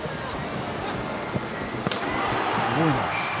すごいな。